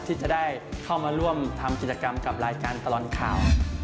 ที่จะได้เข้ามาร่วมทำกิจกรรมกับรายการตลอดข่าว